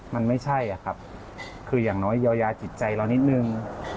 มันไม่ใช่ครับคืออย่างน้อยยาวจิตใจเรานิดหนึ่ง